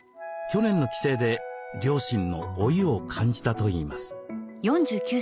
去年の帰省で両親の老いを感じたといいます。